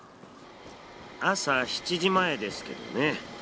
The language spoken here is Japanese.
朝７時前ですけどね。